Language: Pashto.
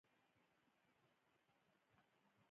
شاهنامې اساس انوشېروان عادل کښېښود.